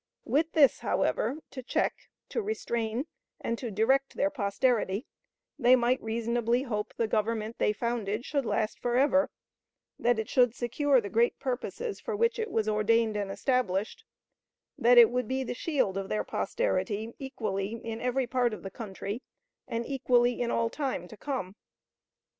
With this, however, to check, to restrain, and to direct their posterity, they might reasonably hope the Government they founded should last for ever; that it should secure the great purposes for which it was ordained and established; that it would be the shield of their posterity equally in every part of the country, and equally in all time to come.